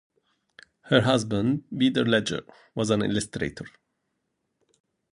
Her husband, Peter Ledger, was an illustrator.